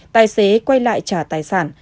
tài xế quay lại trả tài sản